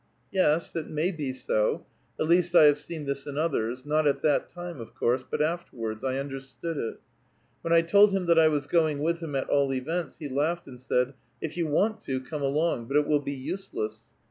'* Yes, it may be so. At least, I have seen this in others ; not at that time, of course, but afterwards, I understood it. When I told him that I was going with him, at all events, he laughed, and said, ^ If you want to, come along ; but it will be useless.'